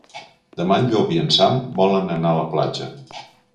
Demà en Llop i en Sam volen anar a la platja.